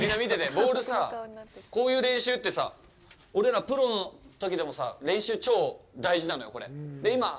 ボールさ、こういう練習ってさ俺らプロのときでもさ練習、超大事なのよ。